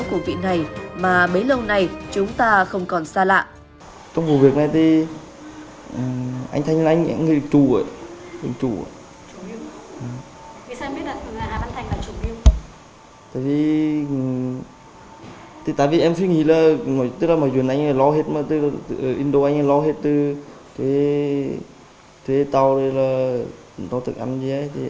của vị này mà mấy lâu nay